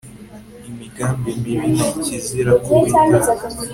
imigambi mibi ni ikizira ku uwiteka